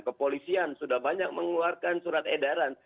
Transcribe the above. kepolisian sudah banyak mengeluarkan surat edaran